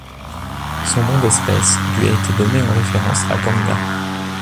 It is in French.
Son nom d'espèce lui a été donné en référence à Ganga.